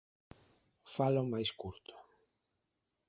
Falo máis curto.